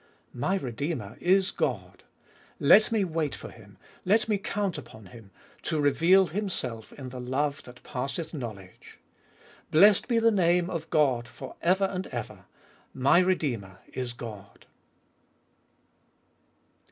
My Redeemer is God ! let me wait for Him, let me count upon Him, to reveal Himself in the love that passeth knowledge. Blessed be the name of God for ever and ever : My Redeemer is God